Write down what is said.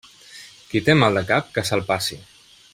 Qui té mal de cap que se'l passi.